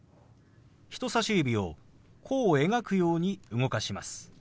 人さし指を弧を描くように動かします。